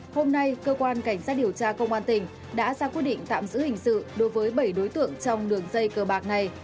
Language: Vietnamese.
hôm nay cơ quan cảnh sát điều tra công an tỉnh đã ra quyết định tạm giữ hình sự đối với bảy đối tượng trong đường dây cờ bạc này